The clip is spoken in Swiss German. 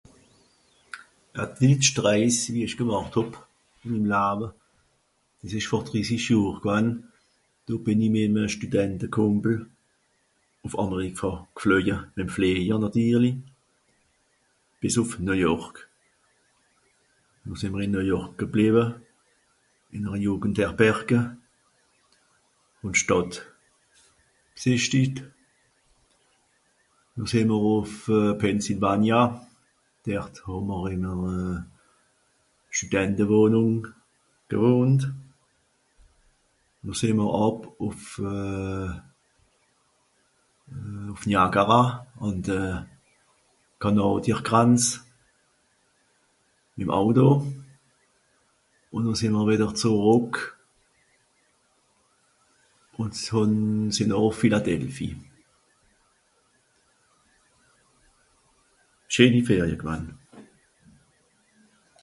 D'längscht Rèis wie ìch gemàcht hàb, ìn mim Lawe dìs ìsch vor drissisch Johr gwann, do bìn i mì'me Stündentekùmpel ùff Àmerkà gflöje, mì'm Flìejer nàtirli, bìs ùff New-York. Noh sìì mr ìn New-York geblìwe, ìn'ere Jùgendherberge ùn d'Stàdt bsìschtigt. Noh sìì mr ùff Pensylvania. Dert hà mr ìn e Stüdentewohnùng gewohnt. Noh sìì mr àb ùff euh... ùff Niagara ùnd euh... Kànàdiergranz, mi'm Auto. Ùn noh sìì mr wìdder zerrùck (...) Philadelphi. Scheeni Ferie gwann.